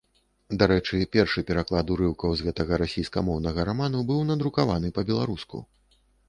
Дарэчы, першы пераклад урыўкаў з гэтага расійскамоўнага раману быў надрукаваны па-беларуску.